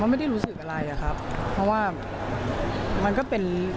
ไม่ได้รู้สึกอะไรอะครับเพราะว่ามันก็เป็น